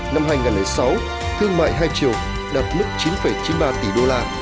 năm hai nghìn sáu thương mại hai triệu đạt mức chín chín mươi ba tỷ đô la